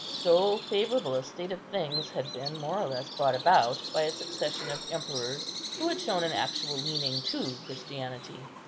So favourable a state of things had been more or less brought about by a succession of emperors, who had shown an actual leaning to Christianity.